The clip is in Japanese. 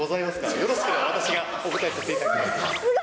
よろしければ私がお答えさせていさすが。